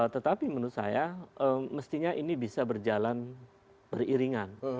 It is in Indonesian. tetapi menurut saya mestinya ini bisa berjalan beriringan